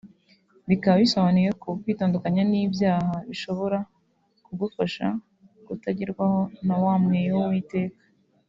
bikaba bisobanuye ko kwitandukanya n’ibyaha bishobora kugufasha kutagerwaho na wa mweyo w’Uwiteka